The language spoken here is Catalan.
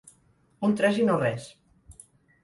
Un tres i no res.